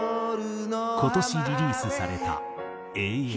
今年リリースされた『永遠』。